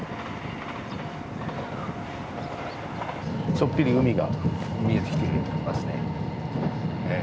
ちょっぴり海が見えてきてますね。